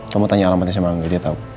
kamu tanya alamatnya semangga dia tau